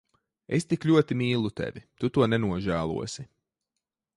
Es tik ļoti mīlu tevi. Tu to nenožēlosi.